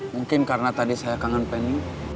mungkin karena tadi saya kangen penyu